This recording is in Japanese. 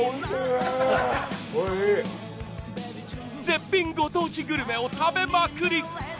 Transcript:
絶品ご当地グルメを食べまくり！